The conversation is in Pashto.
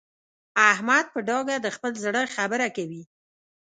احمد په ډاګه د خپل زړه خبره کوي.